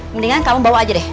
mendingan kamu bawa aja deh